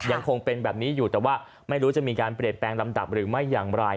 ยังคงเป็นแบบนี้อยู่แต่ว่าไม่รู้จะมีการเปลี่ยนแปลงลำดับหรือไม่อย่างไร